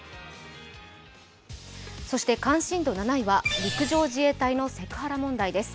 そして関心度７位は陸上自衛隊のセクハラ問題です。